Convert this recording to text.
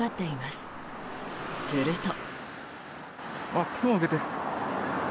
すると。